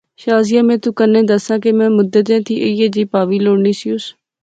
شازیہ میں تو کنے دساں کہ میں مدتیں تھی ایہھے جئی پہاوی لوڑنی سیوس